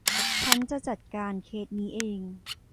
ฉันจะจัดการเคสนี้เอง